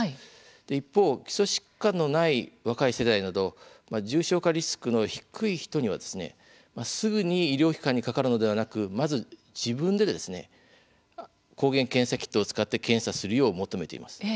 一方、基礎疾患のない若い世代など重症化リスクの低い人にはですねすぐに医療機関にかかるのではなく、まず自分で抗原検査キットを使って検査するよう求めています。